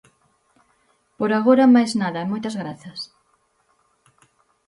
Por agora máis nada e moitas grazas.